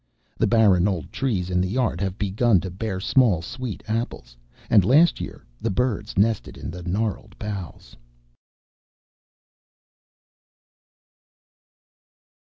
The barren old trees in the yard have begun to bear small, sweet apples, and last year the birds nested in their gnarled boughs.